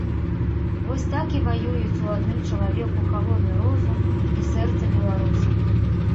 Вось так і ваююць у адным чалавеку халодны розум і сэрца беларуса.